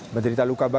menteri taluk kepulauan